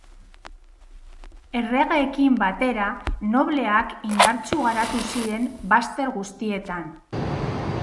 Erregeekin batera, nobleak indartsu garatu ziren bazter guztietan.